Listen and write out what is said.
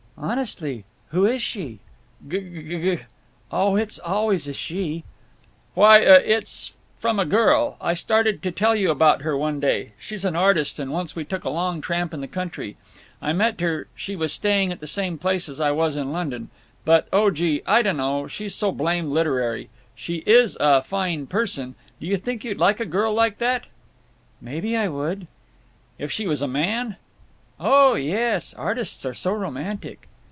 "Honestly? Who is she?" "G g g g—" "Oh, it's always a she." "Why—uh—it is from a girl. I started to tell you about her one day. She's an artist, and once we took a long tramp in the country. I met her—she was staying at the same place as I was in London. But—oh, gee! I dunno; she's so blame literary. She is a fine person—Do you think you'd like a girl like that?" "Maybe I would." "If she was a man?" "Oh, yes s! Artists are so romantic."